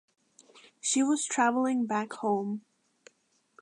She was travelling back home.